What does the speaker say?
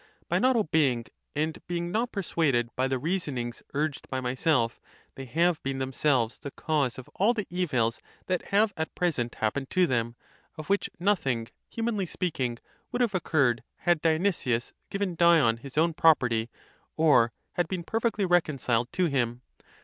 By "ποὺ obeying and being not persuaded 2 by the reasonings (urged) by myself, they have been themselves the cause of all the evils that have at present happened to them; of which no thing, humanly speaking, would have occurred, had Dionysius given Dion his own property, or had been perfectly reconciled to him.